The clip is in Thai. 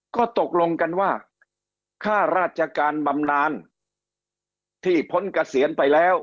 ก็ตกลงกันว่าค่าราชการบำนานที่พ้นเกษียณไปแล้ว